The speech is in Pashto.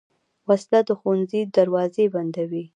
وسله د ښوونځي دروازې بندوي